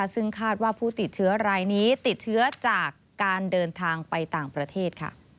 ซึ่งคาดว่าผู้ติดเชื้อรายนี้ติดเชื้อจากการเดินทางไปต่างประเทศ